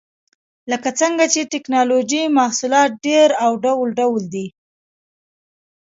لکه څنګه چې د ټېکنالوجۍ محصولات ډېر او ډول ډول دي.